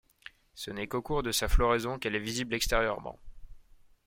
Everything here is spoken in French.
Ce n'est qu'au cours de sa floraison qu'elle est visible extérieurement.